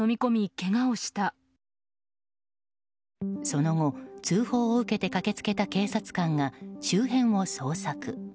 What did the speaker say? その後、通報を受けて駆け付けた警察官が周辺を捜索。